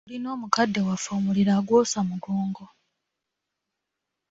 Tulina omukadde waffe omuliro agwosa mugongo.